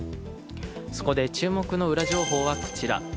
そこで、注目のウラ情報がこちら。